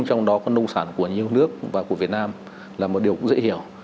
trong đó có nông sản của nhiều nước và của việt nam là một điều cũng dễ hiểu